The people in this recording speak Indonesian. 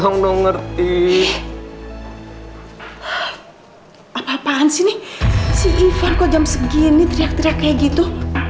ngerti apa apaan sih nih si ivan kok jam segini teriak teriak kayak gitu